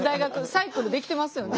サイクルできてますよね。